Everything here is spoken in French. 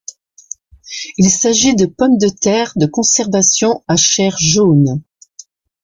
Il s'agit de pommes de terre de conservation à chair jaune.